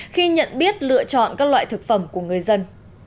khi nhận biết lựa chọn các loại thực phẩm của người dân